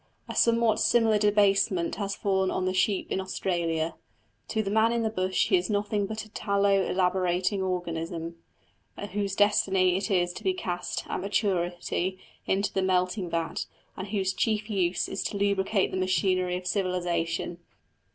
A somewhat similar debasement has fallen on the sheep in Australia. To the man in the bush he is nothing but a tallow elaborating organism, whose destiny it is to be cast, at maturity, into the melting vat, and whose chief use it is to lubricate the machinery of civilisation.